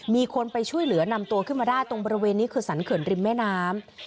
มีคนไปช่วยเหลือนำตัวขึ้นมาได้ตรงบริเวณนี้คือสรรเขื่อนริมแม่น้ำ